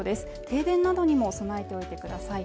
停電などにも備えておいてください